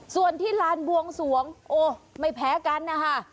ส่วนที่ลานบวงสวงโอ้ไม่แพ้กันนะคะ